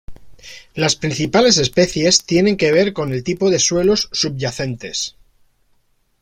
Las principales especies tienen que ver con el tipo de suelos subyacentes.